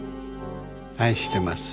愛してます。